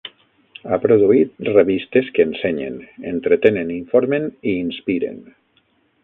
Ha produït revistes que ensenyen, entretenen, informen i inspiren.